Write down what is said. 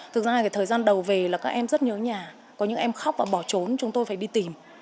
thực ra thì thời gian đầu về là các em rất nhớ nhà có những em khóc và bỏ trốn chúng tôi phải đi tìm